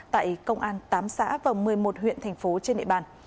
tại công an tám xã và một mươi một huyện thành phố trên địa bàn